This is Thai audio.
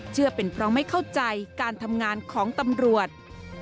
เชื่อเป็นเพราะไม่เข้าใจการทำงานของตำรวจ